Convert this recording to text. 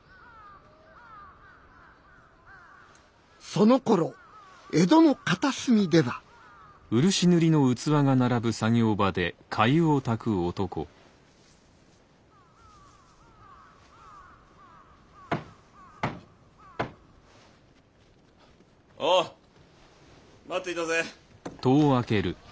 そのころ江戸の片隅では・おう待っていたぜ。